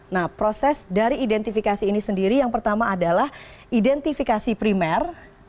nah proses dari identifikasi ini sendiri yang pertama adalah identifikasi primer